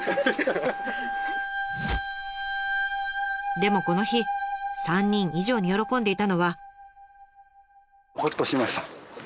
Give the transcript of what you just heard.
でもこの日３人以上に喜んでいたのは。